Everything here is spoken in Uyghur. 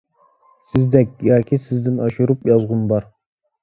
سىزدەك ياكى سىزدىن ئاشۇرۇپ يازغۇم بار.